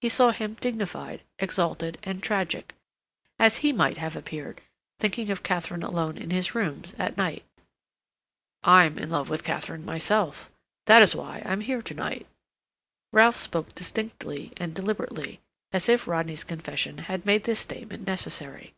He saw him dignified, exalted, and tragic, as he might have appeared thinking of Katharine alone in his rooms at night. "I am in love with Katharine myself. That is why I am here to night." Ralph spoke distinctly and deliberately, as if Rodney's confession had made this statement necessary.